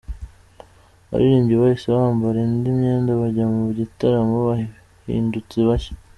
Abaririmbyi bahise bambara indi myenda bajya mu gitaramo bahindutse bashya.